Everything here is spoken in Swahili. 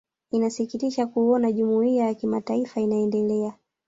inasikitisha kuona jumuiya ya kimataifa inaendelea